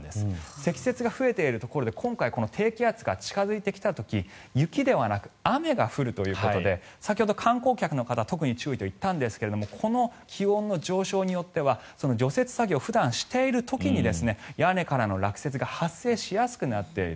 積雪が増えているところで今回、低気圧が近付いてきた時雪ではなく雨が降るということで先ほど観光客の方特に注意といったんですがこの気温の上昇によっては除雪作業、普段している時に屋根からの落雪が発生しやすくなっている。